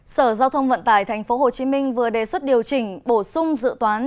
sở giao thông vận tải tp hcm vừa đề xuất điều chỉnh bổ sung dự toán